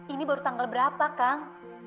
ini baru tanggal berapa kang